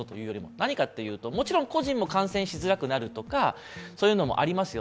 何かというと、もちろん個人も感染しづらくなるとかもありますよ。